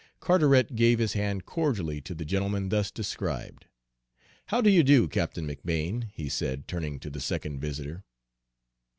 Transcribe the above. Carteret gave his hand cordially to the gentleman thus described. "How do you do, Captain McBane," he said, turning to the second visitor.